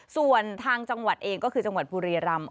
ส่วนทางจังหวัดเองก็คือจังหวัดบุรีรำ